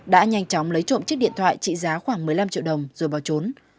đã nhanh chóng lấy trộm chiếc điện thoại trị giá khoảng một mươi năm triệu đồng rồi bỏ trốn